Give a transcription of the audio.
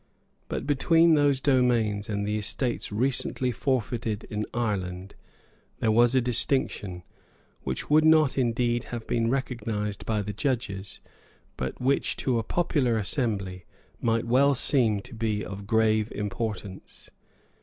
But between those domains and the estates recently forfeited in Ireland there was a distinction, which would not indeed have been recognised by the judges, but which to a popular assembly might well seem to be of grave importance.